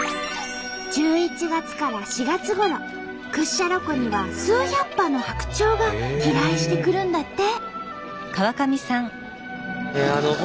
１１月から４月ごろ屈斜路湖には数百羽の白鳥が飛来してくるんだって。